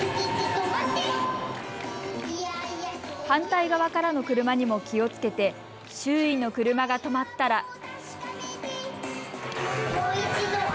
反対側からの車にも気をつけて周囲の車が止まったら。